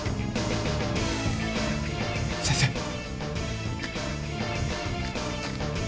先生。